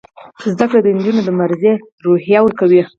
زده کړه نجونو ته د مبارزې روحیه ورکوي.